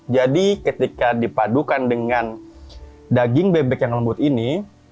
jadi ketika dipadukan dengan daging bebek yang lembut ini